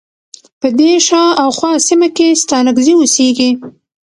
په دې شا او خواه سیمه کې ستانکزی اوسیږی.